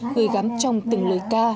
hơi gắm trong từng lời ca